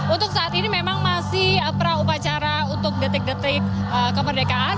untuk saat ini memang masih praupacara untuk detik detik kemerdekaan